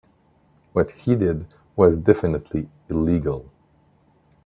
What he did was definitively illegal.